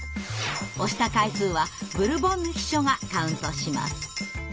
押した回数はブルボンヌ秘書がカウントします。